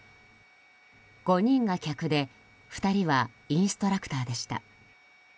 ５人が客で２人はインストラクターでした。